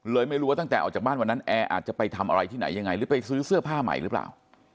ไม่รู้ว่าตั้งแต่ออกจากบ้านวันนั้นแอร์อาจจะไปทำอะไรที่ไหนยังไงหรือไปซื้อเสื้อผ้าใหม่หรือเปล่า